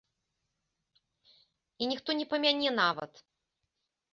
І ніхто не памяне нават.